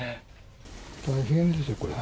大変ですよ、これ。